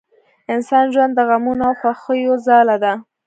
انسان ژوند د غمونو او خوښیو ځاله ده